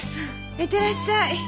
行ってらっしゃい！